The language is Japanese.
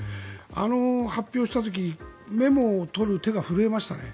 あの発表をした時にメモを取る手が震えましたね。